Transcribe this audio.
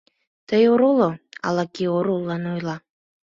Тый ороло, — ала-кӧ ороллан ойла.